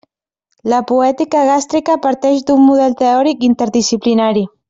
La poètica gàstrica parteix d'un model teòric interdisciplinari.